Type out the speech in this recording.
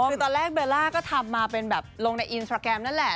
คือตอนแรกเบลล่าก็ทำมาเป็นแบบลงในอินสตราแกรมนั่นแหละ